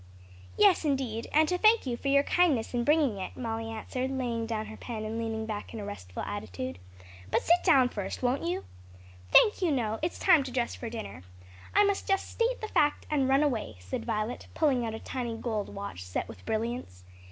"Yes, indeed, and to thank you for your kindness in bringing it," Molly answered, laying down her pen and leaning back in a restful attitude. "But sit down first, won't you?" "Thank you, no; it's time to dress for dinner. I must just state the fact and run away," said Violet, pulling out a tiny gold watch set with brilliants.